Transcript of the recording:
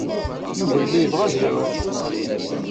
Yuba yella yebɣa ad iɛum.